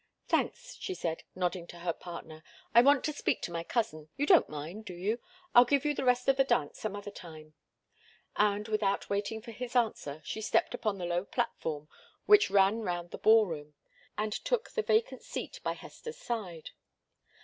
"Thanks," she said, nodding to her partner. "I want to speak to my cousin. You don't mind do you? I'll give you the rest of the dance some other time." And without waiting for his answer, she stepped upon the low platform which ran round the ball room, and took the vacant seat by Hester's side.